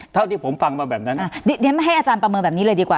เท่าที่ผมฟังมาแบบนั้นเดี๋ยวไม่ให้อาจารย์ประเมินแบบนี้เลยดีกว่า